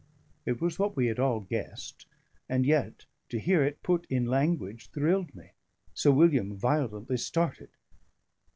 It was what we had all guessed, and yet to hear it put in language thrilled me. Sir William violently started.